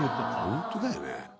ホントだよね。